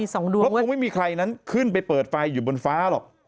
เพราะคงไม่มีใครนั้นขึ้นไปเปิดไฟอยู่บนฟ้าหรอก